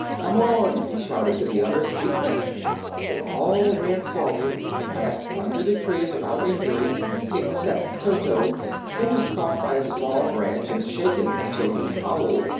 "Come on!" he shouted to the others. "Be quick!" They all ran forward and passed under the tree without injury, except Toto, who was caught by a small branch and shaken until he howled.